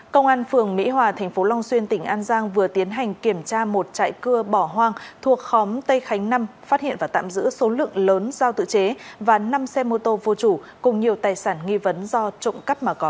công an phường mỹ hòa thành phố long xuyên tỉnh an giang vừa tiến hành kiểm tra một trại cưa bỏ hoang thuộc khóm tây khánh năm phát hiện và tạm giữ số lượng lớn dao tự chế và năm xe mô tô vô chủ cùng nhiều tài sản nghi vấn do trộm cắp mà có